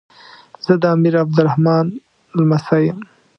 زه د امیر عبدالرحمان لمسی یم.